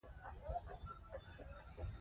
ماري کوري ولې د نوې ماده د اغېزو تحلیل پیل کړ؟